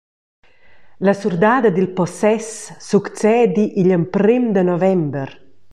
La surdada dil possess succedi igl emprem da november.